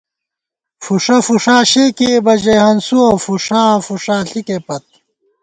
فُݭہ فُݭا شے کېئیبہ ژَئی ہنسُوَہ، فُݭا فُݭا ݪِکے پت